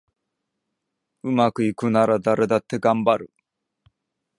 うまくいくなら誰だってがんばる